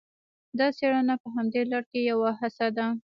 دا څېړنه په همدې لړ کې یوه هڅه ده